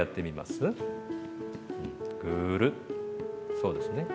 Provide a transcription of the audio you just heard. そうですね。